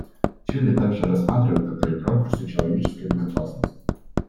Чили также рассматривает это и в ракурсе человеческой безопасности.